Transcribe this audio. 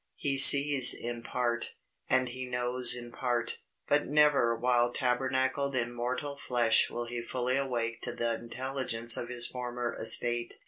He sees in part, and he knows in part; but never while tabernacled in mortal flesh will he fully awake to the intelligence of his former estate.